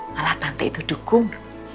malah tante itu dukung